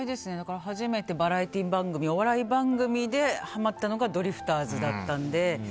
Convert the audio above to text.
初めてバラエティー番組お笑い番組でハマったのがドリフターズだったので。